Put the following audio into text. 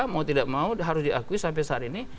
mau tidak mau harus diakui sampai saat ini